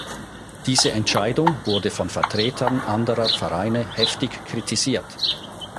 Diese Entscheidung wurde von Vertretern anderer Vereine heftig kritisiert.